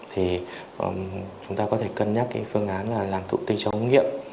thì chúng ta có thể cân nhắc phương án là làm thụ tinh cho hỗn nghiệm